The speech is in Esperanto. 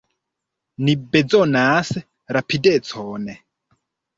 Ni bezonas rapidecon!